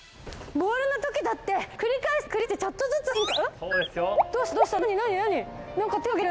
ボールのときだって繰り返して繰り返してちょっとずつ進化。